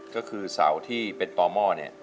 ก็คือเสาที่เป็นต่อหม้อเนี่ย